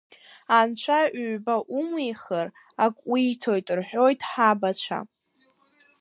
Анцәа ҩба умихыр ак уиҭоит рҳәоит ҳабацәа.